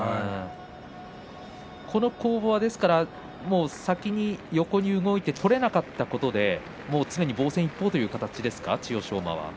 この攻防は、ですから先に横に動いて取れなかったことで常に防戦一方という形になりましたか。